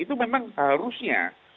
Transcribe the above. itu memang harusnya